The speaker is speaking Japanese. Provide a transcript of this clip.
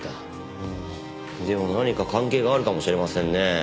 でも何か関係があるかもしれませんね。